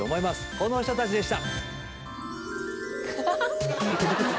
この人たちでした。